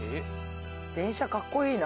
電車かっこいいな。